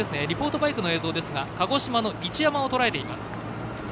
リポートマイクの映像ですが鹿児島の一山をとらえています。